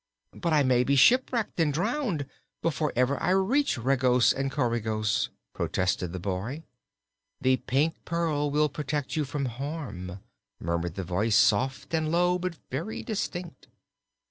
"But I may be shipwrecked and drowned, before ever I reach Regos and Coregos," protested the boy. "The Pink Pearl will protect you from harm," murmured the voice, soft and low but very distinct.